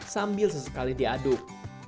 sambil sesekali diaduk